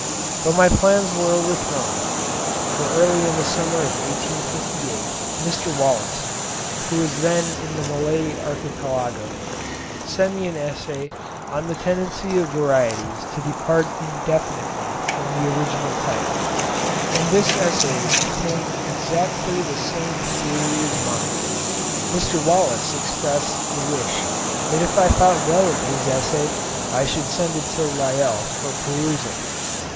But my plans were overthrown, for early in the summer of 1858 Mr. Wallace, who was then in the Malay archipelago, sent me an essay "On the Tendency of Varieties to depart indefinitely from the Original Type;" and this essay contained exactly the same theory as mine. Mr. Wallace expressed the wish that if I thought well of his essay, I should sent it to Lyell for perusal.